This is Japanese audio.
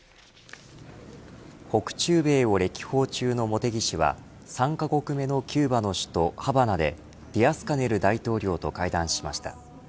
北中米を歴訪中の茂木氏は３カ国目のキューバの首都ハバナでディアスカネル大統領と会談しました。